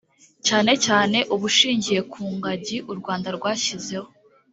cyane cyane ubushingiye ku ngagi u Rwanda rwashyizeho